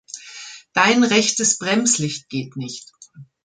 Dein rechtes Bremslicht geht nicht.